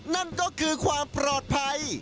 นั่นก็คือความปลอดภัย